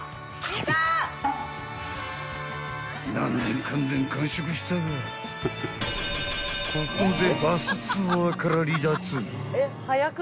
［何でんかんでん完食したがここで］